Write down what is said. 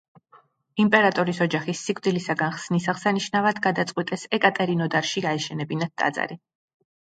იმპერატორის ოჯახის სიკვდილისაგან ხსნის აღსანიშნავად გადაწყვიტეს ეკატერინოდარში აეშენებინათ ტაძარი.